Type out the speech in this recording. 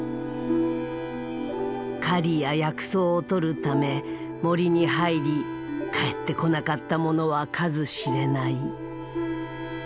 狩りや薬草を採るため森に入り帰ってこなかった者は数知れない。